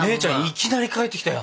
いきなり帰ってきたよ。